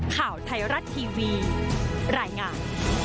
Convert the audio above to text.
ข่าวไทยรัฐทีวีรายงาน